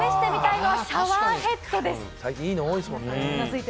最近、いいのが多いですもんね。